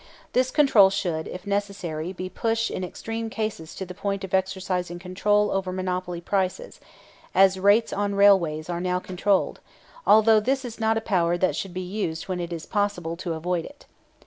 This control should, if necessary, be pushed in extreme cases to the point of exercising control over monopoly prices, as rates on railways are now controlled; although this is not a power that should be used when it is possible to avoid it.